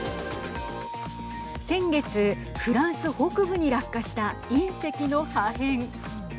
先月フランス北部に落下した隕石の破片。